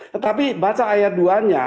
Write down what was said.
tetapi baca ayat dua nya